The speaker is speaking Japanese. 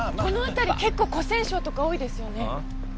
この辺り結構古銭商とか多いですよね。